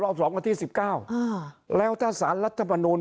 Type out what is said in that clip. ๒วันที่๑๙แล้วถ้าสารรัฐมนูล